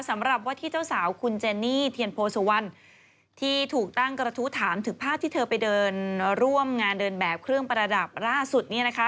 สำหรับว่าที่เจ้าสาวคุณเจนี่เทียนโพสุวรรณที่ถูกตั้งกระทู้ถามถึงภาพที่เธอไปเดินร่วมงานเดินแบบเครื่องประดับล่าสุดเนี่ยนะคะ